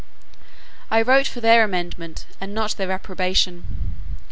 I wrote for their amendment, and not their approbation.